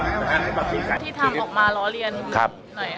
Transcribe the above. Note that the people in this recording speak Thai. ที่ทำออกมาล้อเลียนอยู่ไหนครับ